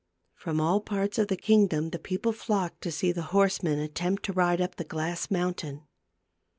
From all parts of the kingdom the peo ple flocked to see the horsemen attempt to ride up the glass mountain.